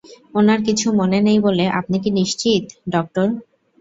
ওনার কিছু মনে নেই বলে আপনি কি নিশ্চিত, ডক্টর?